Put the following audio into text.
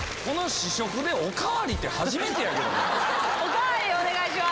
お代わりお願いします！